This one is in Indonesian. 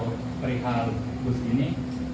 aku mau jadi untuk perihal bus ini